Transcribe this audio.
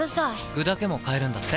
具だけも買えるんだって。